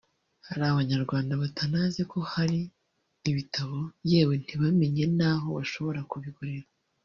hari Abanyarwanda batanazi ko hari ibitabo yewe ntibamenye n’aho bashobora kubigurira